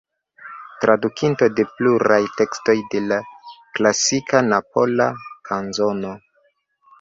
Tradukinto de pluraj tekstoj de la klasika Napola kanzono.